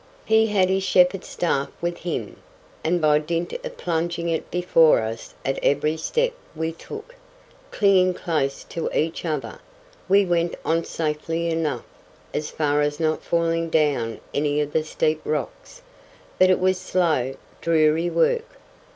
He had his shepherd's staff with him, and by dint of plunging it before us at every step we took—clinging close to each other, we went on safely enough, as far as not falling down any of the steep rocks, but it was slow, dreary work.